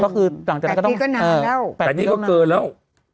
ก็คือหลังจากนั้นก็ต้องขึ้นแต่นี่ก็เกินแล้ว